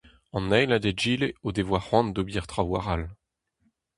An eil hag egile o devoa c'hoant d'ober traoù all.